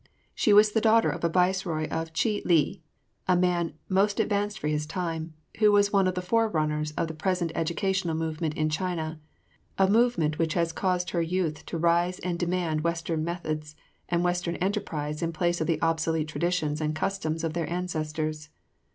She was the daughter of a viceroy of Chih li, a man most advanced for his time, who was one of the forerunners of the present educational movement in China, a movement which has caused her youth to rise and demand Western methods and Western enterprise in place of the obsolete traditions and customs of their ancestors.